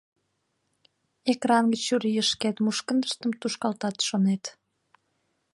Экран гыч чурийышкет мушкындыштым тушкалтат, шонет.